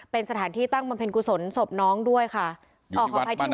เป็นสถานที่ตั้งบรรเภนกุศลศพน้องด้วยค่ะอยู่ที่วัดบ้านน้ำขาวที่กระบี่